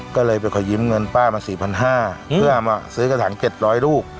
ก็เลยไปขอยิ้มเงินป้ามาสี่พันห้าเพื่อมาซื้อกระถางเจ็ดร้อยลูก